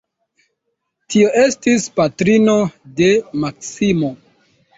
Tio estis patrino de Maksimo.